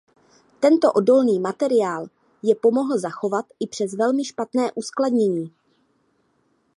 Tento odolný materiál je pomohl zachovat i přes velmi špatné uskladnění.